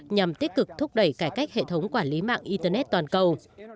nhằm tích cực thúc đẩy cải cách hệ thống quản lý mạng internet toàn cầu